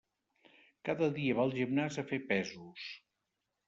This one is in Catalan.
Cada dia va al gimnàs a fer pesos.